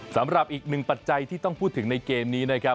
สำหรับอีกหนึ่งปัจจัยที่ต้องพูดถึงในเกมนี้นะครับ